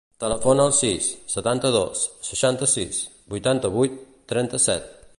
Telefona al sis, setanta-dos, seixanta-sis, vuitanta-vuit, trenta-set.